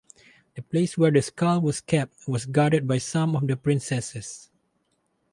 The place where the skull was kept was guarded by some of the princesses.